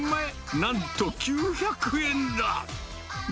なんと９００円だ。